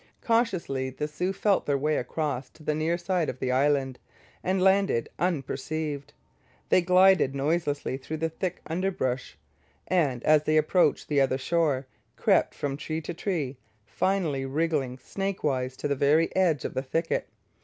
Cautiously the Sioux felt their way across to the near side of the island, and landed unperceived. They glided noiselessly through the thick underbrush, and, as they approached the other shore, crept from tree to tree, finally wriggling snake wise to the very edge of the thicket.